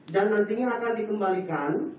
dan nantinya akan dikembalikan